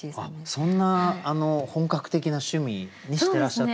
そんな本格的な趣味にしてらっしゃったんですね。